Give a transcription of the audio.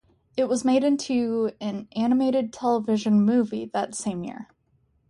It was made into an animated television movie that same year.